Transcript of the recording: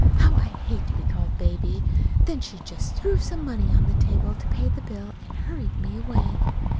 (How I hate to be called "Baby"!) Then she just threw some money on to the table to pay the bill and hurried me away.